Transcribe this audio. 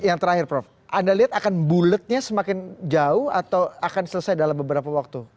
yang terakhir prof anda lihat akan buletnya semakin jauh atau akan selesai dalam beberapa waktu